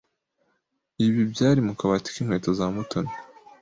Ibi byari mu kabati k’inkweto za Mutoni.